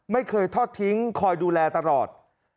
ไม่เคยทอดทิ้งคอยดูแลตลอด